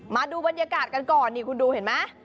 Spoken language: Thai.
มาดูบรรยากาศกันก่อนนี่คุณดูเห็นไหม